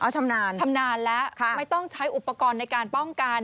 ชำนาญชำนาญแล้วไม่ต้องใช้อุปกรณ์ในการป้องกัน